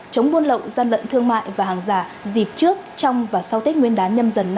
chống buôn lậu gian lận thương mại và hàng giả dịp trước trong và sau tết nguyên đán nhâm dần năm hai nghìn hai mươi hai